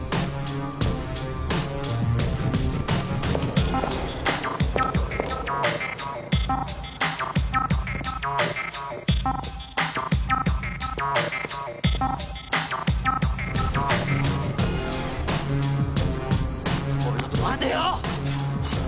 おいちょっと待てよ！